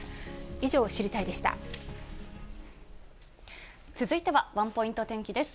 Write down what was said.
以上、続いてはワンポイント天気です。